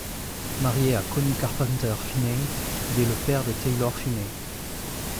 Marié à Connie Carpenter-Phinney, il est le père de Taylor Phinney.